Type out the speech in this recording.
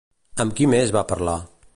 Amb qui més va parlar?